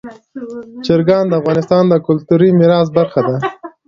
چرګان د افغانستان د کلتوري میراث برخه ده.